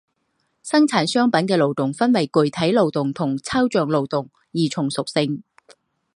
生产商品的劳动分为具体劳动和抽象劳动二重属性。